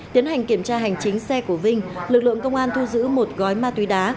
tiến hành kiểm tra hành chính xe của vinh lực lượng công an thu giữ một gói ma túy đá